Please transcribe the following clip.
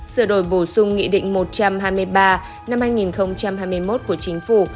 sửa đổi bổ sung nghị định một trăm hai mươi ba năm hai nghìn hai mươi một của chính phủ